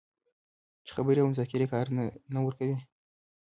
چې خبرې او مذاکرې کار نه ورکوي